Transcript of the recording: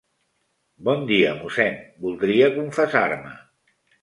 Bon dia, mossèn, voldria confessar-me.